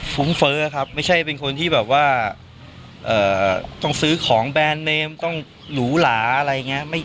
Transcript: ุ้งเฟ้อครับไม่ใช่เป็นคนที่แบบว่าต้องซื้อของแบรนด์เนมต้องหรูหลาอะไรอย่างนี้